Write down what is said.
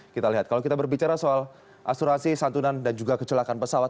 kita lihat kalau kita berbicara soal asuransi santunan dan juga kecelakaan pesawat